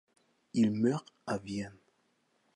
Il meurt à Vienne.